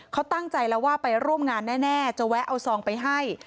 เขาตั้งใจแล้วว่าไปร่วมงานแน่จะแวะเอาซองไปให้